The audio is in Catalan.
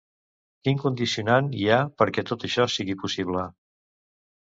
Quin condicionant hi ha perquè tot això sigui possible?